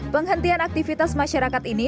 penghentian aktivitas masyarakat ini